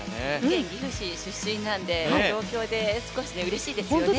岐阜市出身なんで同郷でうれしいですね。